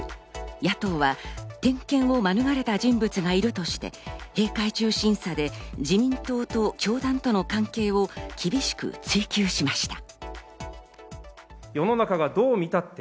野党は点検を免れた人物がいるとして、閉会中審査で自民党と教団との関係を厳しく追及しました。